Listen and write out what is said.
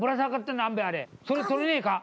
それ取れねえか？